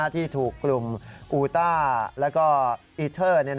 ที่ถูกกลุ่มอูต้าแล้วก็อีเทอร์